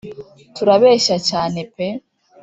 Turabeshya cyane pe